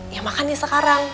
ya makanya sekarang